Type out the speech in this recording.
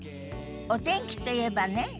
お天気といえばね